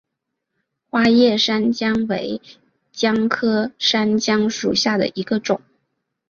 花叶山姜为姜科山姜属下的一个种。